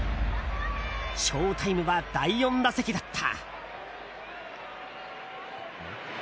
ショウタイムは第４打席だった。